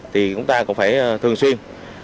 thì chúng ta cũng phải thường xuyên